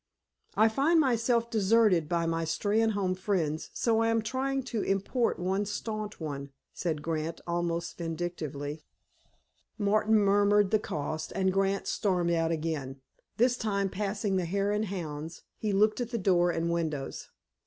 "I find myself deserted by my Steynholme friends so I am trying to import one stanch one," said Grant, almost vindictively. Martin murmured the cost, and Grant stormed out again. This time, passing the Hare and Hounds, he looked at door and windows.